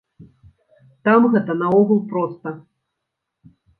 Там гэта наогул проста.